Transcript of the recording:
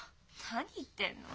何言ってんの？